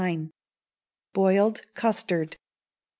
Boiled Custard.